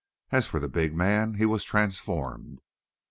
As for the big man, he was transformed.